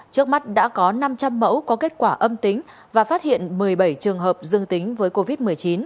trước mắt đã có năm trăm linh mẫu có kết quả âm tính và phát hiện một mươi bảy trường hợp dương tính với covid một mươi chín